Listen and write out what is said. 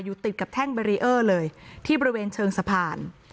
ติดกับแท่งเบรีเออร์เลยที่บริเวณเชิงสะพาน